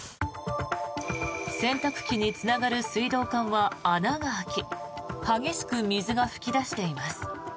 洗濯機につながる水道管は穴が開き激しく水が噴き出しています。